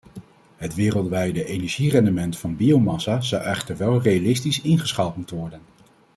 Het wereldwijde energierendement van biomassa zal echter wel realistisch ingeschaald moeten worden.